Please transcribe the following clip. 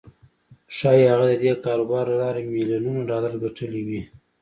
ښايي هغه د دې کاروبار له لارې ميليونونه ډالر ګټلي وي.